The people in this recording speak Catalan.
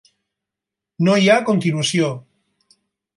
No hi ha continuació.